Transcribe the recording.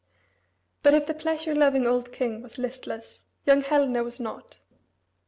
But if the pleasure loving old king was listless, young Helena was not.